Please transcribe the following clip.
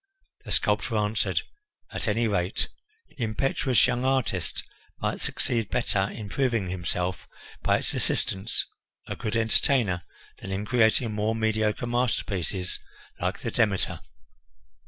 The sculptor answered: "At any rate, the impetuous young artist might succeed better in proving himself, by its assistance, a good entertainer, than in creating more mediocre masterpieces like the Demeter."